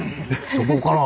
そこから。